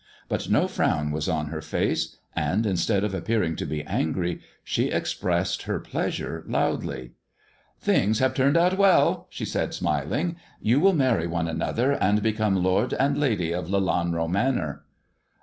But no frown was on her face, and instead of appearing to be angry, she expressed her pl^sure loudly. 162 THE dwarf's chamber " Things have turned out well," she said, smiling ;" you will marry one another, and become lord and lady of Lelanro Manor."